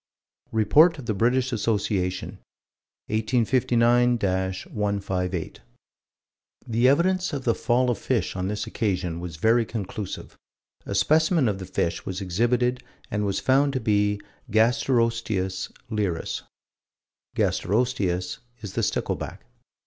Report of the British Association, 1859 158: "The evidence of the fall of fish on this occasion was very conclusive. A specimen of the fish was exhibited and was found to be the Gasterosteus leirus." Gasterosteus is the stickleback.